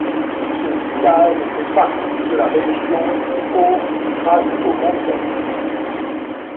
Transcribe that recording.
Ce village fait partie de la région Haut Trás-os-Montes.